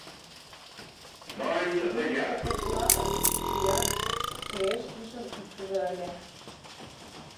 Южышто пу пуракын, чиян, клейыш кишын ӱпшыжӧ ыле.